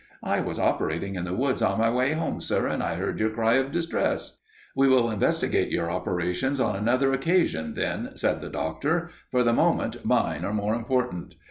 "'I was operating in the woods on my way home, sir, and I heard your cry of distress.' "'We will investigate your operations on another occasion, then,' said the Doctor. 'For the moment mine are more important.